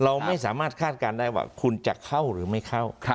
เราไม่สามารถคาดการณ์ได้ว่าคุณจะเข้าหรือไม่เข้า